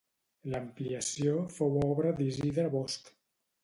L'ampliació fou obra d'Isidre Bosch.